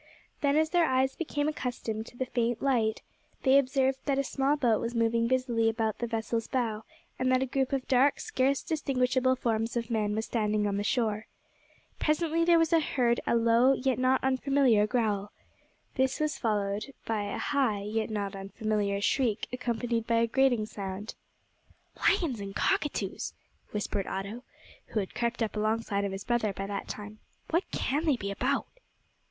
Then, as their eyes became accustomed to the faint light, they observed that a small boat was moving busily about the vessel's bow, and that a group of dark scarce distinguishable forms of men was standing on the shore. Presently there was heard a low, yet not unfamiliar growl. This was followed by a high yet not unfamiliar shriek, accompanied by a grating sound. "Lions and cockatoos!" whispered Otto, who had crept up alongside of his brother by that time, "what can they be about?"